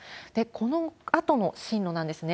このあとの進路なんですね。